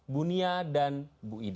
bunia dan bu ida